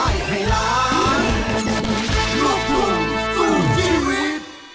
รับความสุขที่มือ